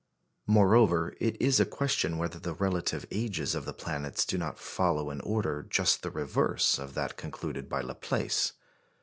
Moreover, it is a question whether the relative ages of the planets do not follow an order just the reverse of that concluded by Laplace.